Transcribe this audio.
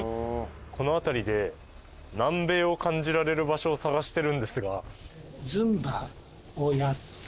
この辺りで南米を感じられる場所を探してるんですが。